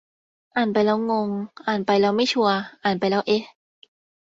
อ่านไปแล้วงง อ่านไปแล้วไม่ชัวร์ อ่านไปแล้ว เอ๊ะ